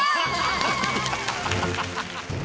ハハハハ！